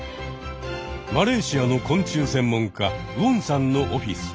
マレーシアの昆虫専門家ウォンさんのオフィス。